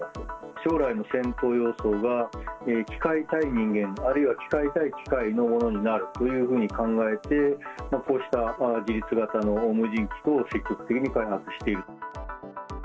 将来の戦闘様相が機体対人間、あるいは機械対機械のものになるというふうに考えて、こうした自律型の無人機等を積極的に開発していると。